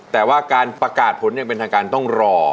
แต่ว่าการประกาศผลอย่างเป็นทางการต้องรอ